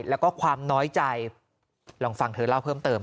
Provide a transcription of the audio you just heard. แล้วก็ความน้อยใจลองฟังเธอเล่าเพิ่มเติม